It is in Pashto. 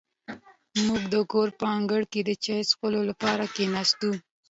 موږ د کور په انګړ کې د چای څښلو لپاره کېناستو.